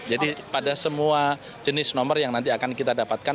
jadi pada semua jenis nomor yang nanti akan kita dapatkan